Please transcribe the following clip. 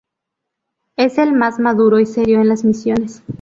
Es el más maduro y serio en las misiones.